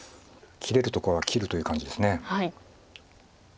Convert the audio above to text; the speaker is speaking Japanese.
切れるとこは切るという感じです。